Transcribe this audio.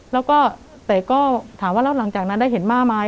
แล้วก็แต่ก็ถามว่าแล้วหลังจากนั้นได้เห็นม่าไหม